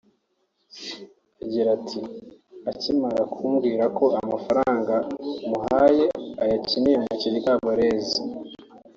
Agira ati “Akimara kumbwira ko amafaranga muhaye ayakiniye mu Kiryabarezi